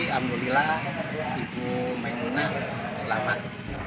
alhamdulillah ibu main guna selamat